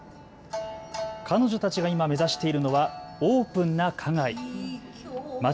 彼女たちが今、目指しているのはオープンな花街。